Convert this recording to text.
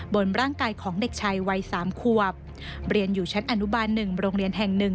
บนร่างกายของเด็กชายวัยสามควบเรียนอยู่ชั้นอนุบาลหนึ่งโรงเรียนแห่งหนึ่ง